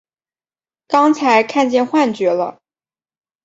刚才看见幻觉了！